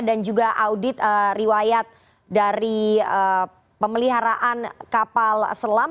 dan juga audit riwayat dari pemeliharaan kapal selam